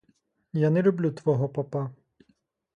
Я не люблю твого попа.